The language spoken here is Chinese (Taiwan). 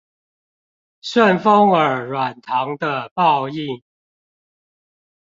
順風耳軟糖的報應